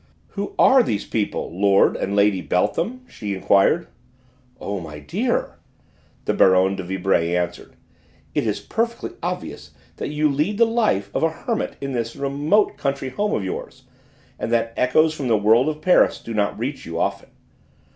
"Who are these people, Lord and Lady Beltham?" she enquired. "Oh, my dear!" the Baronne de Vibray answered, "it is perfectly obvious that you lead the life of a hermit in this remote country home of yours, and that echoes from the world of Paris do not reach you often!